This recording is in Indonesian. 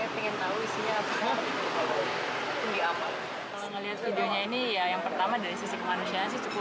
pembeli di bali juga tidak tahu